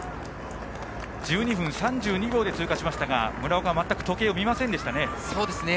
１２分３２秒で通過しましたが村岡は全く時計を見ませんでしたね。